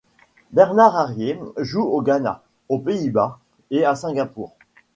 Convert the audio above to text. Bernard Aryee joue au Ghana, aux Pays-Bas et à Singapour.